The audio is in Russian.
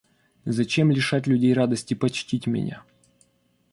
Зачем лишать людей радости почтить меня?